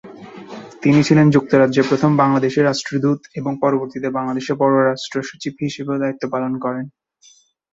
তিনি ছিলেন যুক্তরাষ্ট্রে প্রথম বাংলাদেশী রাষ্ট্রদূত এবং পরবর্তীতে বাংলাদেশের পররাষ্ট্র সচিব হিসাবেও দায়িত্ব পালন করেন।